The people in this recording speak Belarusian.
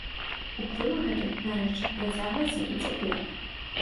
Уплыў гэты, дарэчы, працягваецца і цяпер.